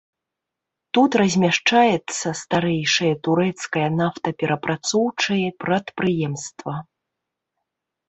Тут размяшчаецца старэйшае турэцкае нафтаперапрацоўчае прадпрыемства.